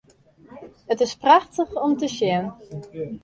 It is prachtich om te sjen.